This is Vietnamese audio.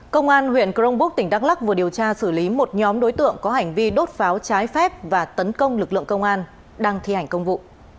công an huyện crongbuk tỉnh đắk lắc vừa điều tra xử lý một nhóm đối tượng có hành vi đốt pháo trái phép và tấn công lực lượng công an đang thi hành công vụ